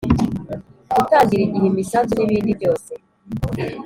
Gutangira igihe imisanzu n ibindi byose